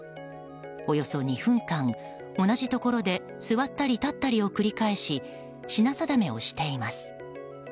およそ２分間、同じところで座ったり立ったりを繰り返し品定めをしています。